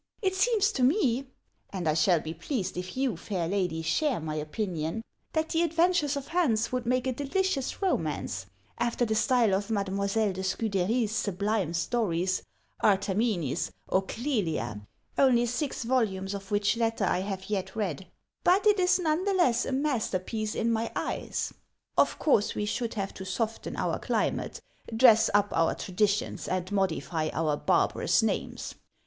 It seems tome — and I shall be pleased if you, fair lady, share my opinion — that the adventures of Hans would make a delicious romance, after the style of Mademoiselle de Scude'ry's sublime sto ries, ' Artamenes,' or 'Clelia,' only six volumes of which lat ter I have yet read, but it is none the less a masterpiece in my eyes. Of course we should have to soften our cli mate, dress up our traditions, and modify our barbarous names.